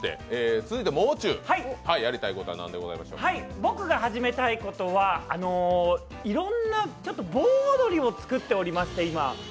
僕が始めたいことはいろんな盆踊りを作っておりまして、今。